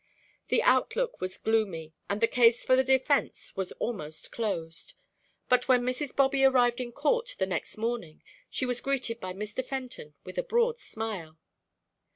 The outlook was gloomy, and the case for the defence was almost closed. But when Mrs. Bobby arrived in court the next morning, she was greeted by Mr. Fenton with a broad smile.